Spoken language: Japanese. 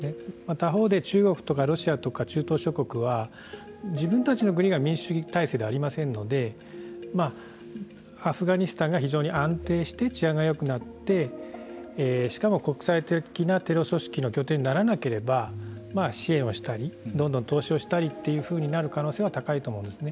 他方で中国とかロシアとかの中東諸国は自分たちの国が民主主義体制でありませんのでアフガニスタンが非常に安定して安定して、治安がよくなってしかもしかも国際的なテロ組織の拠点にならなければ支援をしたりどんどん投資をしたりというふうになる可能性は高いと思うんですね。